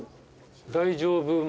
大丈夫守。